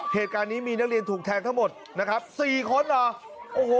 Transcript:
เหตุการณ์นี้มีนักเรียนถูกแทงทั้งหมดนะครับสี่คนเหรอโอ้โห